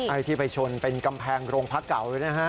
ไอ้ที่ไปชนเป็นกำแพงโรงพักเก่าเลยนะฮะ